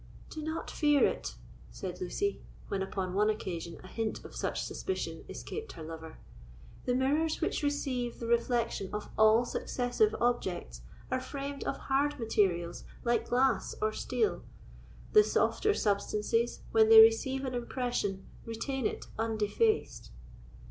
"Do not fear it," said Lucy, when upon one occasion a hint of such suspicion escaped her lover; "the mirrors which receive the reflection of all successive objects are framed of hard materials like glass or steel; the softer substances, when they receive an impression, retain it undefaced."